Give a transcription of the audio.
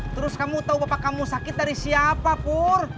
terus kamu tahu bapak kamu sakit dari siapa pur